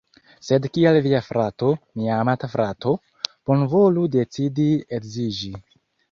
Sed kiel via frato, mi amata frato, bonvolu decidi edziĝi